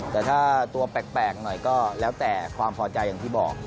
แต่ถ้าตัวแปลกหน่อยก็แล้วแต่ความพอใจอย่างที่บอก